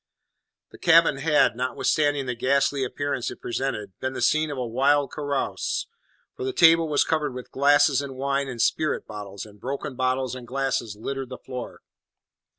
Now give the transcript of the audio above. The cabin had, notwithstanding the ghastly appearance it presented, been the scene of a wild carouse, for the table was covered with glasses and wine and spirit bottles, and broken bottles and glasses littered the floor.